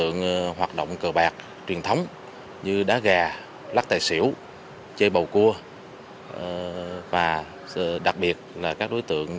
như đá gà lắc tài xỉu chơi bầu cua và đặc biệt là các đối tượng